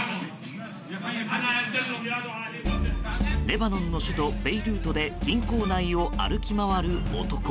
レバノンの首都ベイルートで銀行内を歩き回る男。